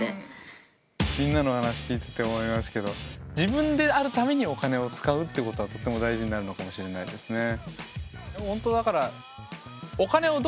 みんなの話聞いてて思いますけど自分であるためにお金を使うってことがとても大事になるのかもしれないですね。